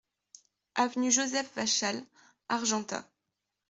Avenue Joseph Vachal, Argentat